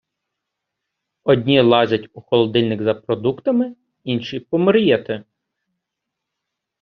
Одні лазять у холодильник за продуктами, інші — помріяти.